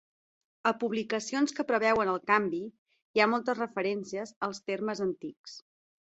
A publicacions que preveuen el canvi hi ha moltes referències als termes antics.